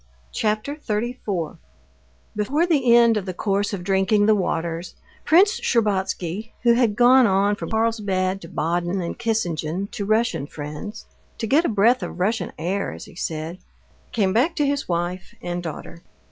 Chapter 34 Before the end of the course of drinking the waters, Prince Shtcherbatsky, who had gone on from Carlsbad to Baden and Kissingen to Russian friends—to get a breath of Russian air, as he said—came back to his wife and daughter.